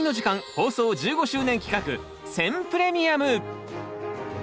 放送１５周年企画選プレミアム。